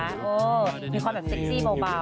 เออมีความแบบเซ็กซี่เบา